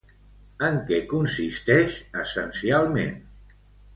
En què consisteix essencialment?